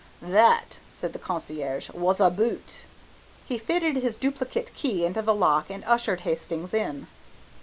"That," said the concierge, "was a boot." He fitted his duplicate key into the lock and ushered Hastings in.